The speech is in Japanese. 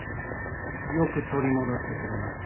よく取り戻してくれました。